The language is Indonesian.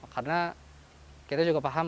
karena kita juga paham